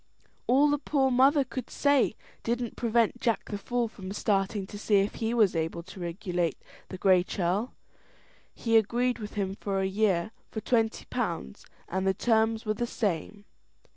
All the poor mother could say didn't prevent Jack the Fool from starting to see if he was able to regulate the Gray Churl. He agreed with him for a year for twenty pounds, and the terms were the same.